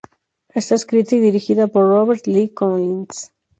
Está escrita y dirigida por Robert Lee Collins.